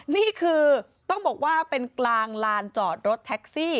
นี่คือต้องบอกว่าเป็นกลางลานจอดรถแท็กซี่